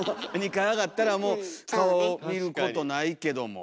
２階上がったらもう顔見ることないけども。